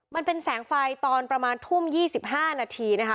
มันเป็นแสงไฟตอนประมาณทุ่ม๒๕นาทีนะคะ